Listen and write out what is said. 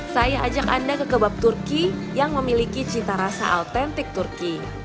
saya ajak anda ke kebab turki yang memiliki cita rasa autentik turki